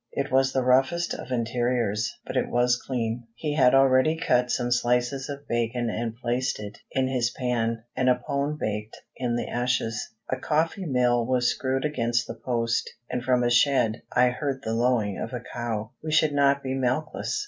It was the roughest of interiors, but it was clean. He had already cut some slices of bacon and placed it in his pan, and a pone baked in the ashes. A coffee mill was screwed against the post, and from a shed I heard the lowing of a cow. We should not be milkless.